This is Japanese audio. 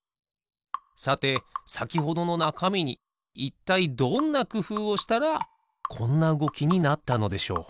さてさきほどのなかみにいったいどんなくふうをしたらこんなうごきになったのでしょう？